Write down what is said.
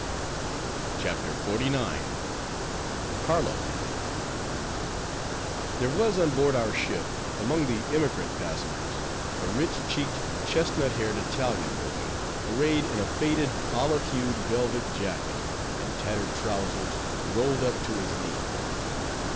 CHAPTER XLIX. CARLO There was on board our ship, among the emigrant passengers, a rich cheeked, chestnut haired Italian boy, arrayed in a faded, olive hued velvet jacket, and tattered trowsers rolled up to his knee.